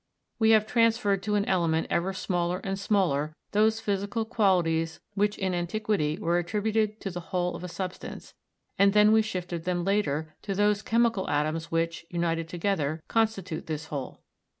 We have transferred to an element ever smaller and smaller those physical qualities which in antiquity were attributed to the whole of a substance; and then we shifted them later to those chemical atoms which, united together, constitute this whole.